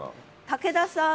竹田さん。